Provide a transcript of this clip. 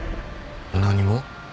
何も。